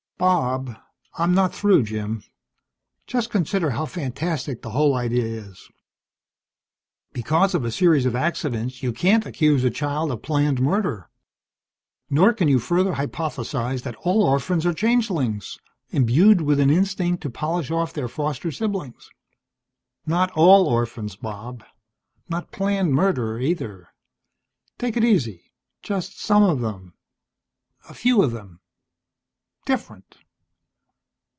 "Bob " "I'm not through, Jim. Just consider how fantastic the whole idea is. Because of a series of accidents you can't accuse a child of planned murder. Nor can you further hypothesize that all orphans are changelings, imbued with an instinct to polish off their foster siblings." "Not all orphans, Bob. Not planned murder, either. Take it easy. Just some of them. A few of them different.